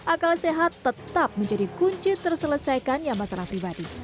akal sehat tetap menjadi kunci terselesaikan yang masalah pribadi